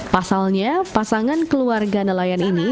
pasalnya pasangan keluarga nelayan ini